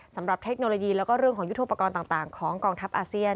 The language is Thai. เทคโนโลยีแล้วก็เรื่องของยุทธโปรกรณ์ต่างของกองทัพอาเซียน